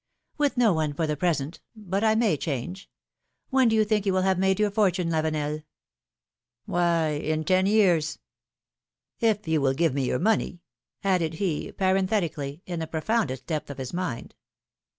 " With no one for the present, but I may change. When do you think you will have made your fortune, Lavenel?" " Why, in ten years." " If you will give me your money," added he, paren PHILOM^iNE^S MAREIAGES. 59 thetically, in the profoundest depth of his mind.